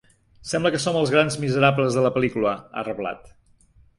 Sembla que som els grans miserables de la pel·lícula, ha reblat.